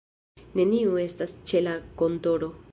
Neniu estas ĉe la kontoro.